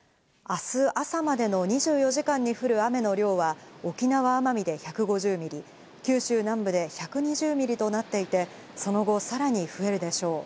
あす朝までの２４時間に降る雨の量は、沖縄・奄美で１５０ミリ、九州南部で１２０ミリとなっていて、その後、さらに増えるでしょう。